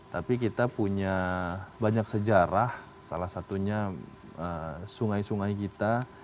tapi kita punya banyak sejarah salah satunya sungai sungai kita